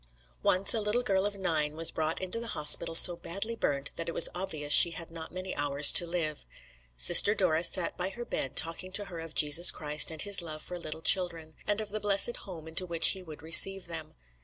Once a little girl of nine was brought into the hospital so badly burnt that it was obvious she had not many hours to live. Sister Dora sat by her bed talking to her of Jesus Christ and His love for little children, and of the blessed home into which he would receive them.